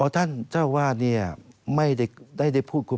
อ๋อท่านเจ้าวาดเนี่ยไม่ได้พูดคุณ